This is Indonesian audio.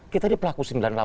kita di pelaku sendiri